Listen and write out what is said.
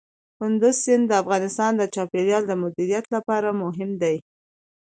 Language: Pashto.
کندز سیند د افغانستان د چاپیریال د مدیریت لپاره مهم دی.